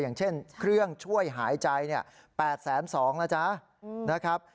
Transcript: อย่างเช่นเครื่องช่วยหายใจ๘๒๐๐นะจ๊ะนะครับ